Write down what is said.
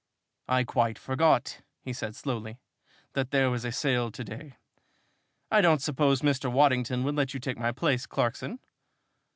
"I quite forgot," he said slowly, "that there was a sale to day. I don't suppose Mr. Waddington would let you take my place, Clarkson?"